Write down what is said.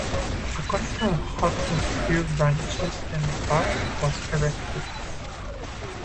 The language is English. A conical hut of fir branches and bark was erected.